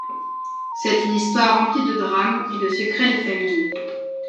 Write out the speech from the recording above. C'est une histoire remplie de drame et de secrets de famille.